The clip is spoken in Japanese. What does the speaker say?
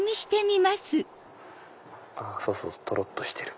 そうそうとろっとしてる。